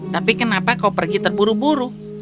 tapi kenapa kau pergi terburu buru